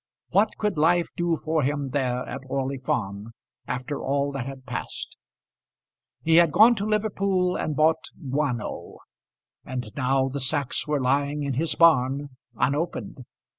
What could life do for him there at Orley Farm, after all that had passed? He had gone to Liverpool and bought guano, and now the sacks were lying in his barn unopened.